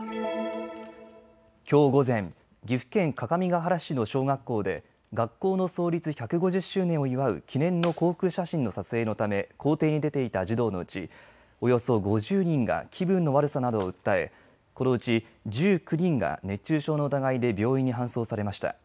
きょう午前、岐阜県各務原市の小学校で学校の創立１５０周年を祝う記念の航空写真の撮影のため校庭に出ていた児童のうちおよそ５０人が気分の悪さなどを訴え、このうち１９人が熱中症の疑いで病院に搬送されました。